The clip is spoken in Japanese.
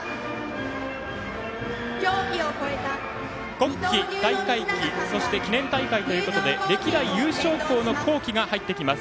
国旗、大会旗そして記念大会ということで歴代優勝校の旗が入ってきます。